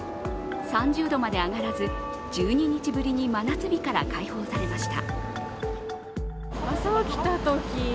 ３０度まで上がらず１２日ぶりに真夏日から解放されました。